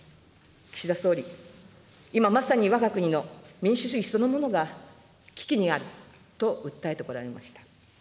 岸田総理、今まさにわが国の民主主義そのものが危機にあると訴えてこられました。